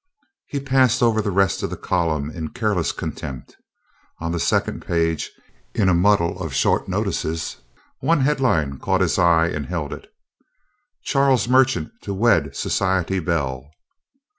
He passed over the rest of the column in careless contempt. On the second page, in a muddle of short notices, one headline caught his eye and held it: "Charles Merchant to Wed Society Belle."